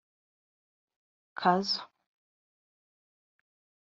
Kazo